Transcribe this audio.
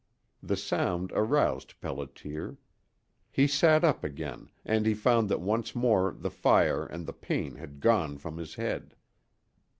The sound aroused Pelliter. He sat up again, and he found that once more the fire and the pain had gone from his head.